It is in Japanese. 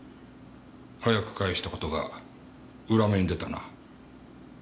早く返した事が裏目に出たな藤倉課長。